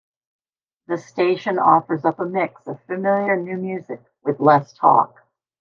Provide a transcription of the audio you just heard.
The station offers up a mix of familiar new music with less talk.